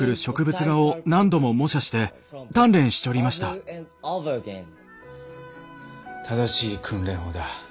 すごい。正しい訓練法だ。